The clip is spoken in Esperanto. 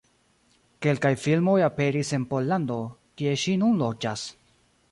Kelkaj filmoj aperis en Pollando, kie ŝi nun loĝas.